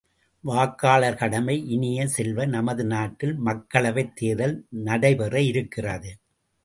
வாக்காளர் கடமை இனிய செல்வ, நமது நாட்டில் மக்களவைத் தேர்தல் நடைபெற இருக்கிறது.